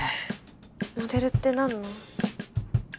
モデルって何の？